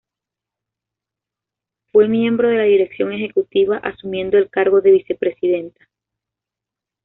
Fue miembro de la dirección ejecutiva asumiendo el cargo de vicepresidenta.